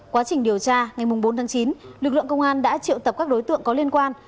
quá trình điều tra ngày bốn tháng chín lực lượng công an đã triệu tập các đối tượng có liên quan